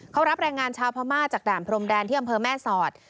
เขารับแรงงานชาวพม่าจากด่านพรมแดนที่อำเภอแม่สอด